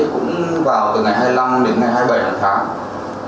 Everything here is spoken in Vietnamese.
cũng vào từ ngày hai mươi năm đến ngày hai mươi bảy tháng tám